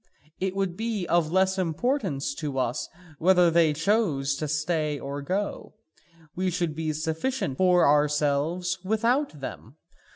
It would be of less importance to us whether they chose to stay or go, we should be sufficient for ourselves without them.